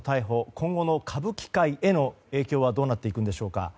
今後の歌舞伎界への影響はどうなっていくんでしょうか。